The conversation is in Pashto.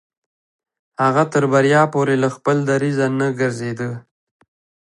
هغه تر بريا پورې له خپل دريځه نه ګرځېده.